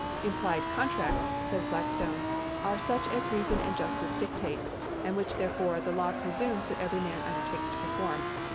^" Implied [contracts]," says Black stone, ^" are such as reason and justice dictate, and which, therefore, the law presumes that every man undertakes to perform."